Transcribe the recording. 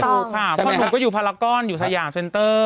ถูกต้องค่ะพ่อหนูก็อยู่ภารกรอยู่ทรยาเซนเตอร์